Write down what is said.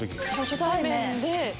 初対面で。